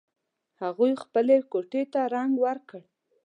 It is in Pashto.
هغوی خپلې کوټې ته رنګ ور کړ